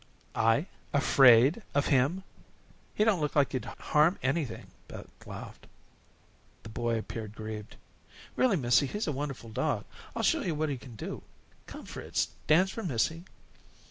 "I afraid of him! He don't look as if he could harm anything," and Beth laughed. The boy appeared grieved. "Really, missy, he's a wonderful dog. I'll show yo' what he can do. Come, Fritz, dance for missy."